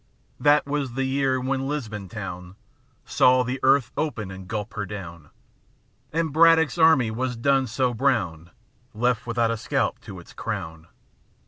That was the year when Lisbon town Saw the earth open and gulp her down. And Braddock's army was done so brown. Left without a scalp to its crown.